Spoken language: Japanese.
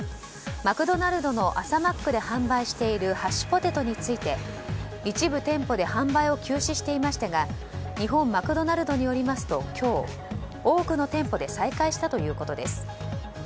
マクドナルドの朝マックで販売しているハッシュポテトについて一部店舗で販売を休止していましたが日本マクドナルドによりますと今日多くの店舗で再開したということです。